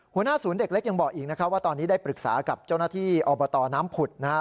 หัวหน้าศูนย์เด็กเล็กยังบอกอีกนะครับว่าตอนนี้ได้ปรึกษากับเจ้าหน้าที่อบตน้ำผุดนะฮะ